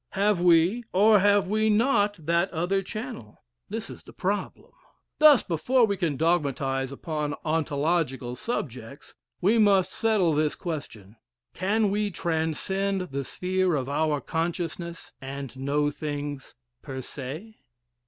Have we or have we not that other channel? This is the problem." "Thus, before we can dogmatize upon on to logical subjects, we must settle this question Can we transcend the sphere of our consciousness, and know things per se?"